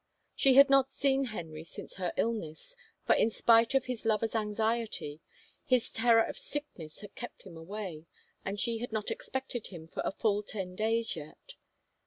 She had not seen Henry since her illness, for in spite of his lover's anxiety, his terror of sickness had kept him away, and she had not expected him for a full ten days yet.